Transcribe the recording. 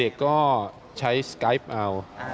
เด็กก็ใช้สไกป์เอา